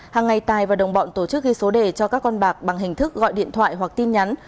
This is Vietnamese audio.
hàng ngày tài và đồng bọn tổ chức ghi số đề cho các con bạc bằng hình thức gọi điện thoại hoặc tin nhắn